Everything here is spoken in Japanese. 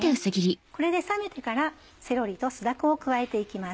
これで冷めてからセロリと酢だこを加えて行きます。